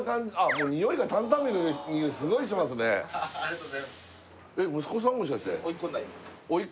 もうニオイが担々麺のニオイすごいしますねありがとうございます甥っ子さん？